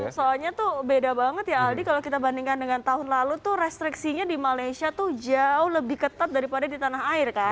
soalnya tuh beda banget ya aldi kalau kita bandingkan dengan tahun lalu tuh restriksinya di malaysia tuh jauh lebih ketat daripada di tanah air kan